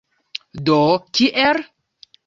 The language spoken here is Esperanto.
Do, kiel?